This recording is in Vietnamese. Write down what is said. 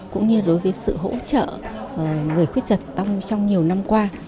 cũng như đối với sự hỗ trợ người khuyết tật tăng trong nhiều năm qua